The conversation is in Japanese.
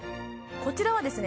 こちらはですね